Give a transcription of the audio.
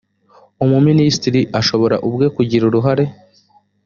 umuminisitiri ashobora ubwe kugira uruhare